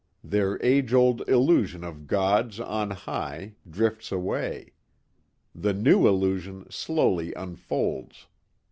Their age old illusion of Gods on High drifts away. The new illusion slowly unfolds.